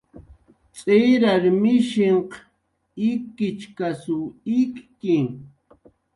Tz'irar mishinhq ikichkasw ikki